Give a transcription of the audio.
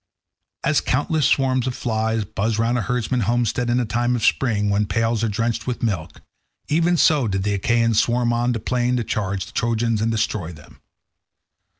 As countless swarms of flies buzz around a herdsman's homestead in the time of spring when the pails are drenched with milk, even so did the Achaeans swarm on to the plain to charge the Trojans and destroy them.